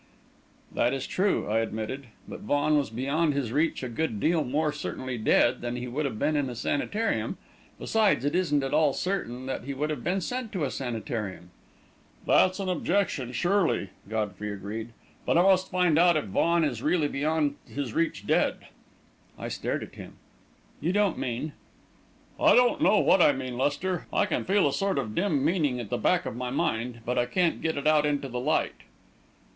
"That is true," I admitted; "but Vaughan was beyond his reach a good deal more certainly dead than he would have been in a sanitarium. Besides, it isn't at all certain that he would have been sent to a sanitarium." "That's an objection, surely," Godfrey agreed; "but I must find out if Vaughan is really beyond his reach dead." I stared at him. "You don't mean...." "I don't know what I mean, Lester. I can feel a sort of dim meaning at the back of my mind, but I can't get it out into the light."